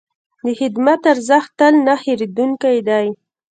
د خدمت ارزښت تل نه هېرېدونکی دی.